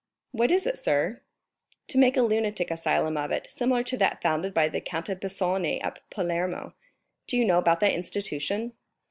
"What is it, sir?" "To make a lunatic asylum of it, similar to that founded by the Count of Pisani at Palermo. Do you know about that institution?"